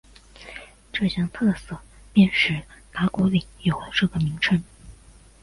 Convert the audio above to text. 这项特色便使打鼓岭有了这个名称。